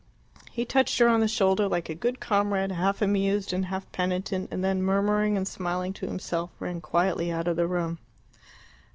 He touched her on the shoulder like a good comrade, half amused and half penitent, and then, murmuring and smiling to himself, ran quietly out of the room.